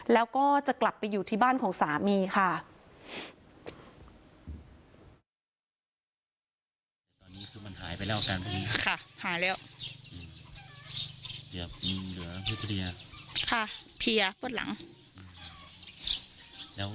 แล้วก็จะกลับไปอยู่ที่บ้านของสามีค่ะ